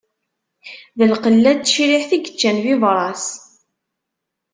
D lqella n tecriḥt i yeččan bibras.